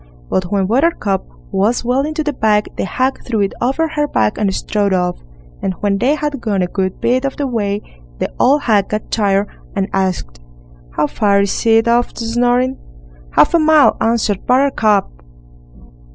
But when Buttercup was well into the bag, the hag threw it over her back and strode off, and when they had gone a good bit of the way, the old hag got tired, and asked: "How far is it off to Snoring?" "Half a mile", answered Buttercup.